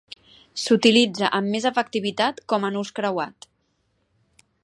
S'utilitza amb més efectivitat com a nus creuat.